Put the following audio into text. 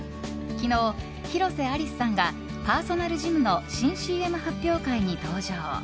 昨日、広瀬アリスさんがパーソナルジムの新ＣＭ発表会に登場。